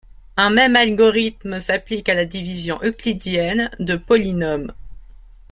Un même algorithme s'applique à la division euclidienne de polynômes.